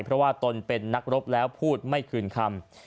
เพราะว่าตนเป็นนักรบแล้วพูดไม่คืนคำ